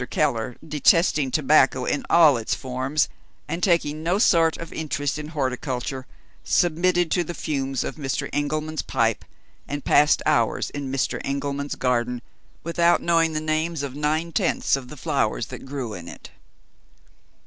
Keller, detesting tobacco in all its forms, and taking no sort of interest in horticulture, submitted to the fumes of Mr. Engelman's pipe, and passed hours in Mr. Engelman's garden without knowing the names of nine tenths of the flowers that grew in it.